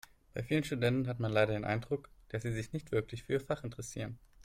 Bei vielen Studenten hat man leider den Eindruck, dass sie sich nicht wirklich für ihr Fach interessieren.